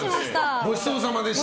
ごちそうさまでした。